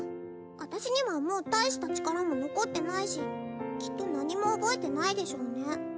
あたしにはもう大した力も残ってないしきっと何も覚えてないでしょうね